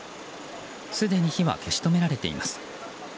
すでに火は消し止められています。